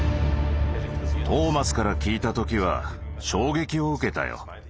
トーマスから聞いた時は衝撃を受けたよ。